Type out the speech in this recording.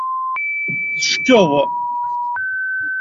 Teckeḍ.